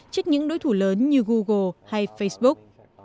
trước những đối thủ lớn như google hay facebook